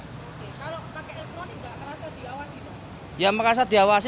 kalau pakai elektronik nggak terasa diawasi